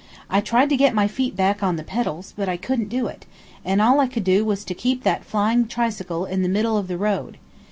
I tried to get my feet back on the pedals, but I couldn't do it, and all I could do was to keep that flying tricycle in the middle of the road.